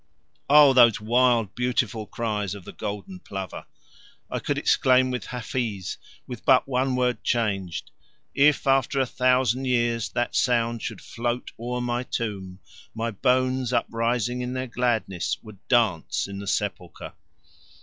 Oh, those wild beautiful cries of the golden plover! I could exclaim with Hafiz, with but one word changed: "If after a thousand years that sound should float o'er my tomb, my bones uprising in their gladness would dance in the sepulchre!"